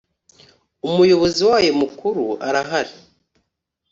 umuyobozi wayo mukuru arahari.